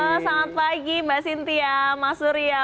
halo selamat pagi mbak sintia mbak surya